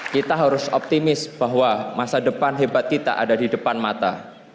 kita harus optimis bahwa masa depan hebat kita ada di depan mata